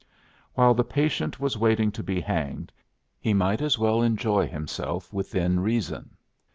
While the patient was waiting to be hanged, he might as well enjoy himself within reason.